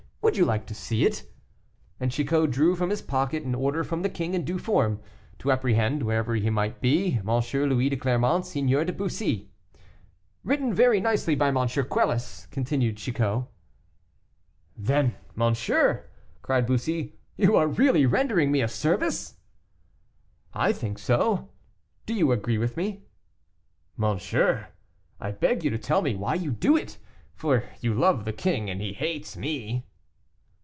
Would you like to see it?" and Chicot drew from his pocket an order from the king in due form, to apprehend, wherever he might be, M. Louis de Clermont, Seigneur de Bussy. "Written very nicely by M. Quelus," continued Chicot. "Then, monsieur," cried Bussy, "you are really rendering me a service?" "I think so; do you agree with me?" "Monsieur, I beg you to tell me why you do it; for you love the king, and he hates me."